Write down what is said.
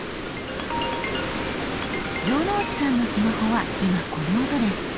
城之内さんのスマホは今この音です。